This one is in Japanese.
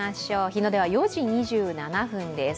日の出は４時２７分です。